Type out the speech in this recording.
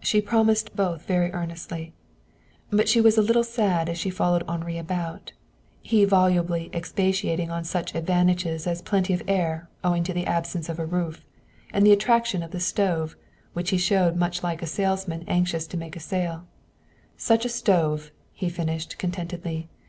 She promised both very earnestly. But she was a little sad as she followed Henri about, he volubly expatiating on such advantages as plenty of air owing to the absence of a roof; and the attraction of the stove, which he showed much like a salesman anxious to make a sale. "Such a stove!" he finished contentedly.